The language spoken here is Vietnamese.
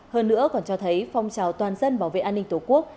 hơn nữa còn cho thấy phong trào toàn dân bảo vệ an ninh tổ quốc